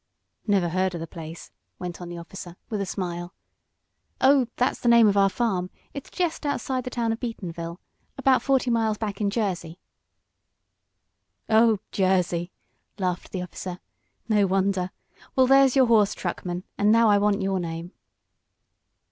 "Never heard of the place," went on the officer, with a smile. "Oh, that's the name of our farm. It's jest outside the town of Beatonville, about forty miles back in Jersey." "Oh, Jersey!" laughed the officer. "No wonder! Well, there's your horse, truckman. And now I want your name."